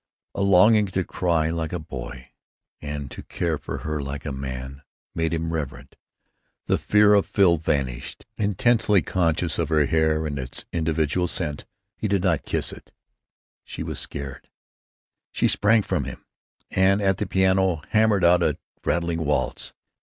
A longing to cry like a boy, and to care for her like a man, made him reverent. The fear of Phil vanished. Intensely conscious though he was of her hair and its individual scent, he did not kiss it. She was sacred. She sprang from him, and at the piano hammered out a rattling waltz.